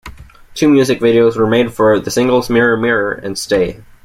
Two music videos were made for the singles "Mirror Mirror" and "Stay".